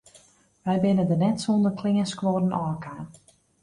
Wy binne der net sûnder kleanskuorren ôfkaam.